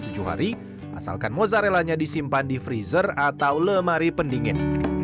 tujuh hari asalkan mozzarellanya disimpan di freezer atau lemari pendingin